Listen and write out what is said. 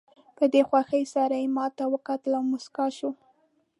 په ډېره خوښۍ سره یې ماته وکتل او موسکاه شوه.